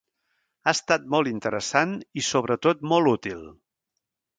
Ha estat molt interessant i sobretot molt útil!